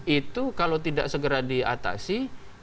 itu kalau tidak segera diatasi